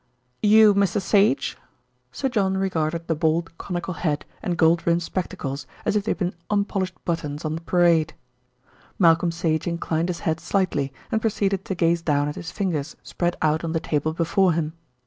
"You Mr. Sage?" Sir John regarded the bald conical head and gold rimmed spectacles as if they had been unpolished buttons on parade. Malcolm Sage inclined his head slightly, and proceeded to gaze down at his fingers spread out on the table before him.